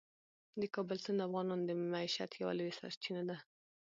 د کابل سیند د افغانانو د معیشت یوه لویه سرچینه ده.